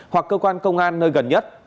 hoặc cơ quan công an nơi gần nhất